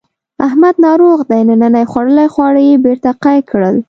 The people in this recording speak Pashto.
احمد ناروغ دی ننني خوړلي خواړه یې بېرته قی کړل.